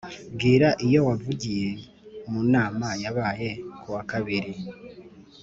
Bwira ibyo bavugiye mu nama yabaye kuwa kabiri